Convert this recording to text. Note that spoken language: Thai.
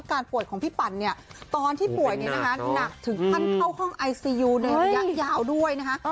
อาการป่วยของพี่ปั่นตอนที่ป่วยนี่นะคะหนักถึงพันเข้าห้องไอซียูยาวด้วยนะคะ